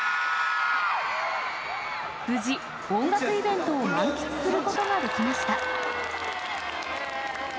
無事、音楽イベントを満喫することができました。